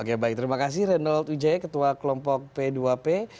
oke baik terima kasih renold wijaya ketua kelompok p dua p